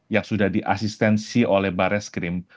yang sudah di asistensi oleh bareskrim